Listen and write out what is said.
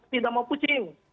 tidak mau pucing